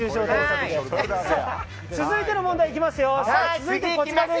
続いての問題いきます。